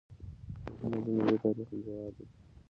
ملي موزیم د دې تاریخ ګواه دی